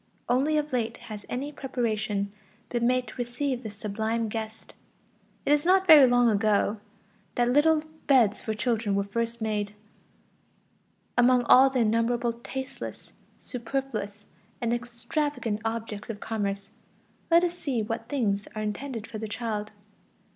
Only of late has any preparation been made to receive this sublime guest. It is not very long ago that little beds for children were first made; among all the innumerable tasteless, superfluous, and extravagant objects of commerce, let us see what things are intended for the child.